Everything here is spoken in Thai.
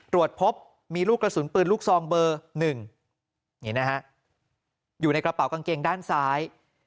ตรวจพบมีลูกกระสุนปืนลูกซองเบอร์๑นี่นะฮะอยู่ในกระเป๋ากางเกงด้านซ้าย